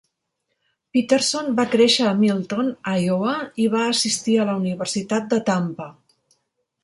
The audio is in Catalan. Peterson va créixer a Milton (Iowa) i va assistir a la Universitat de Tampa.